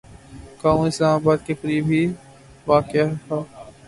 گاؤں اسلام آباد کے قریب ہی واقع تھا